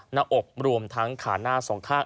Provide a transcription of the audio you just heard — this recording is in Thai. หน้าอกรวมทั้งขาหน้าสองข้าง